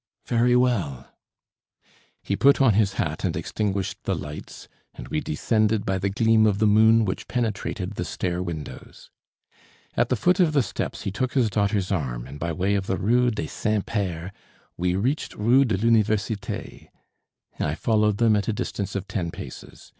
"Very well." He put on his hat and extinguished the lights, and we descended by the gleam of the moon which penetrated the stair windows. At the foot of the steps he took his daughter's arm, and by way of the Rue des Saints Pères we reached Rue de l'Université. I followed them at a distance of ten paces.